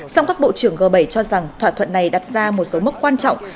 song các bộ trưởng g bảy cho rằng thỏa thuận này đặt ra một số mốc quan trọng